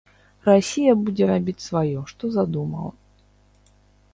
Расія будзе рабіць сваё, што задумала.